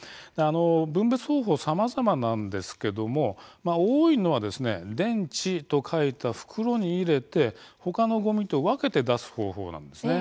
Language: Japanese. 分別方法はさまざまなんですけれども多いのは電池と書いた袋に入れて他のごみと分けて出す方法です。